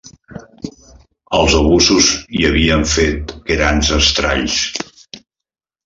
Els obusos hi havien fet grans estralls